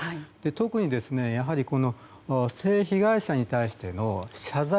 特に性被害者に対しての謝罪